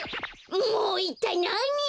もういったいなに！？